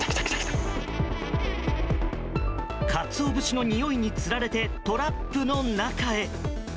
カツオ節のにおいに釣られて、トラップの中へ！